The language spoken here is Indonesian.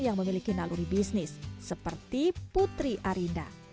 yang memiliki naluri bisnis seperti putri arinda